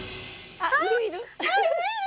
あっいるいる！